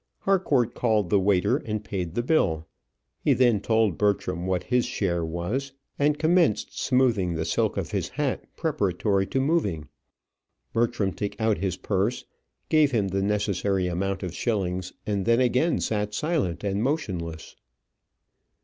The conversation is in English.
Harcourt called the waiter, and paid the bill. He then told Bertram what his share was, and commenced smoothing the silk of his hat preparatory to moving. Bertram took out his purse, gave him the necessary amount of shillings, and then again sat silent and motionless.